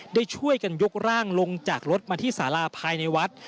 ได้ช่วยกันยกร่างลงจากรถมาที่สาราภายในวัด